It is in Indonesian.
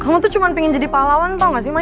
kamu tuh cuma pengen jadi pahlawan tau gak sih mas